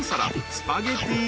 スパゲティ４皿］